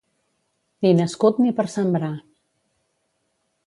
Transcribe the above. Ni nascut ni per sembrar.